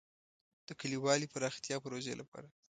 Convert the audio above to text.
د کلیوالي پراختیا پروژې لپاره.